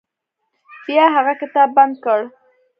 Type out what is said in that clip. بیا هغه کتاب بند کړ.